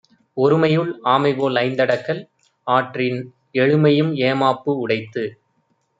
ஒருமையுள் ஆமைபோல் ஐந்தடக்கல் ஆற்றின் எழுமையும் ஏமாப்பு உடைத்து.